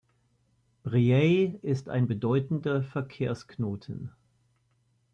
Briey ist ein bedeutender Verkehrsknoten.